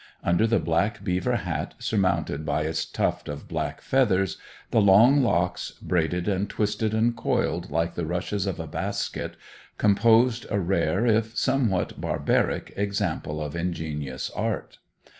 Under the black beaver hat, surmounted by its tuft of black feathers, the long locks, braided and twisted and coiled like the rushes of a basket, composed a rare, if somewhat barbaric, example of ingenious art.